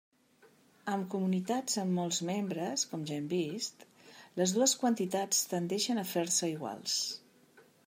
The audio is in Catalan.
Amb comunitats amb molts membres, com ja hem vist, les dues quantitats tendeixen a fer-se iguals.